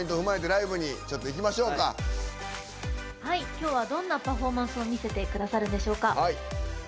きょうはどんなパフォーマンスを見せてくださるんでしょうか。